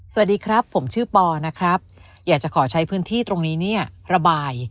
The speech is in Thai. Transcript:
สวัสดีครับผมชื่อปอนะครับอยากจะขอใช้พื้นที่ตรงนี้เนี่ยระบาย